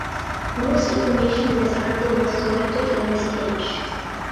Most Information in this article was collected from this page